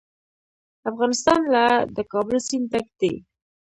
افغانستان له د کابل سیند ډک دی.